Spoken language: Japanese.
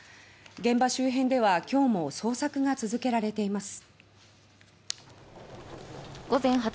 現場周辺では今日も捜索が続けられています。